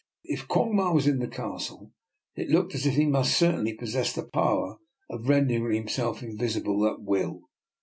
If Quong Ma was in the Castle, it looked as if he must certainly pos sess the power of rendering himself invisible at will.